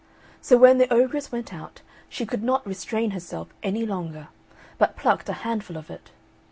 So when the ogress went out she could not restrain herself any longer, but plucked a handful of it.